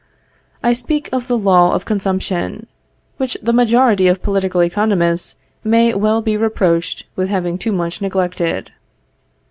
I speak of the law of consumption, which the majority of political economists may well be reproached with having too much neglected.